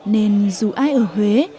nên dù ai ở huế